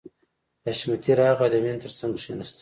حشمتي راغی او د مینې تر څنګ کښېناست